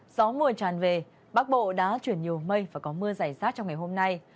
gió mưa tràn về bắc bộ đã chuyển nhiều mây và có mưa dày sát trong ngày hôm nay